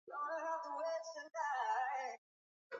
Fafanua hadithi ndio watoto wajue maisha yako ya kitambo.